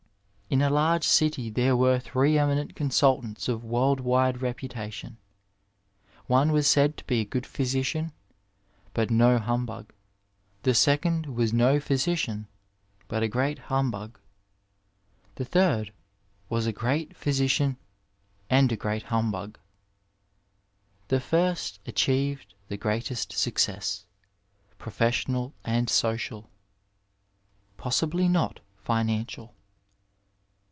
In a large city there were three eminent consoltantB of world wide reputation ; one was said to be a good physician but no humbug, the second was no physician but a great humbug, the third was a great physician and a great humbug. The first achieved the greatest success, professional and social, possibly not financial.